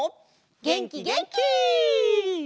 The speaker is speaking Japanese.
げんきげんき！